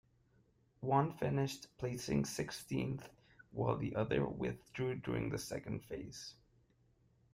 One finished, placing sixteenth, while the other withdrew during the second phase.